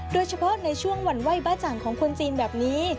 โดยเฉพาะในช่วงวันไหว้บ้าจ่างของคนจีนแบบนี้